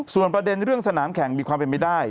ส่วนประเด็นเรื่องสนามแข่งมีความเป็นไปได้